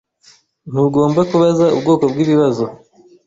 Ntugomba kubaza ubwoko bwibibazo.